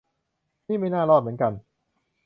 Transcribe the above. นี่ไม่น่ารอดเหมือนกัน